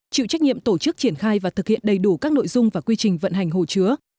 chịu trách nhiệm tổ chức triển khai và thực hiện đầy đủ các nội dung và quy trình vận hành hồ chứa